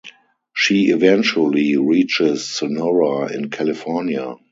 She eventually reaches Sonora in California.